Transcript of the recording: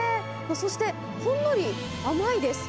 そして、ほんのり甘いです。